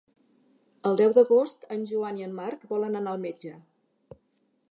El deu d'agost en Joan i en Marc volen anar al metge.